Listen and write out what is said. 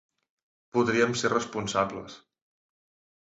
Podríem ser responsables.